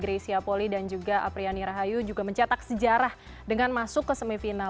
greysia poli dan juga apriani rahayu juga mencetak sejarah dengan masuk ke semifinal